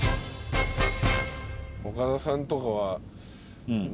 岡田さんとかは。